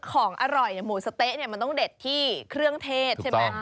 ของอร่อยหมูสะเต๊ะเนี่ยมันต้องเด็ดที่เครื่องเทศใช่ไหม